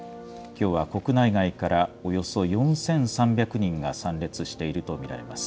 きょうは国内外からおよそ４３００人が参列していると見られます。